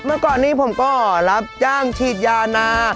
เมื่อก่อนนี้ผมก็รับจ้างฉีดยานา